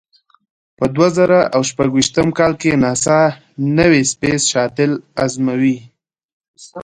په دوه زره او شپږ ویشتم کال کې ناسا نوې سپېس شاتل ازموي.